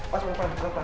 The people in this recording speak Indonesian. mas perlahan perlahan